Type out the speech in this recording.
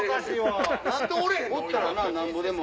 おったらななんぼでも。